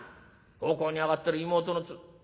奉公に上がってる妹のつ。